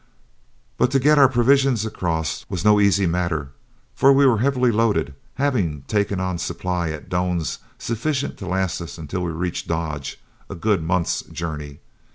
But to get our provisions across was no easy matter, for we were heavily loaded, having taken on a supply at Doan's sufficient to last us until we reached Dodge, a good month's journey.